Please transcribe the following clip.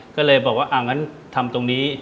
ก็เลยบอกว่าทำตรงนี้